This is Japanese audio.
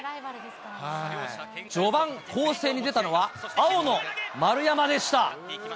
序盤、攻勢に出たのは青の丸山でした。